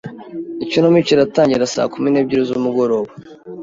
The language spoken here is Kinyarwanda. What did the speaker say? Ikinamico iratangira saa kumi n'ebyiri z'umugoroba.